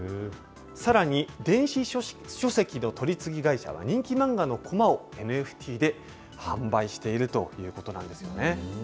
さらに電子書籍の取り次ぎ会社は人気漫画のコマをＮＦＴで販売しているということなんですよね。